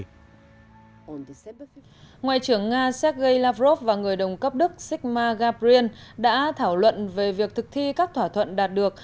ngoại trưởng nga sergei lavrov và người đồng cấp đức sikma gabrin đã thảo luận về việc thực thi các thỏa thuận đạt được